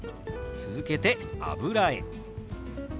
続けて「油絵」。